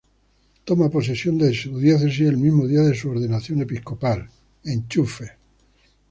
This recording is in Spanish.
Toma posesión de su Diócesis el mismo día de su ordenación episcopal.